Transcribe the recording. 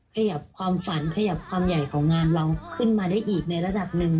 ขยับความฝันขยับความใหญ่ของงานเราขึ้นมาได้อีกในระดับหนึ่ง